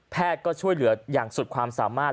ก็ช่วยเหลืออย่างสุดความสามารถ